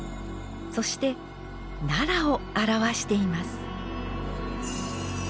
そして奈良を表しています。